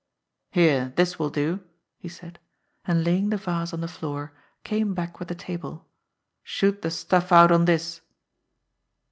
"Here, this will do!" he said, and laying the vase on the floor, came back with the table. "Shoot the stuff out on this!"